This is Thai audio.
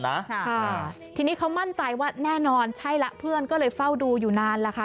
ค่ะทีนี้เขามั่นใจว่าแน่นอนใช่ละเพื่อนก็เลยเฝ้าดูอยู่นานแล้วค่ะ